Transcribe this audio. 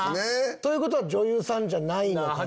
ということは女優さんじゃないのかな。